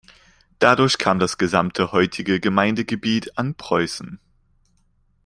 Dadurch kam das gesamte heutige Gemeindegebiet an Preußen.